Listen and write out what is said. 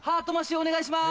お願いします